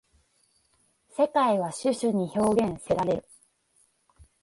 世界は種々に表現せられる。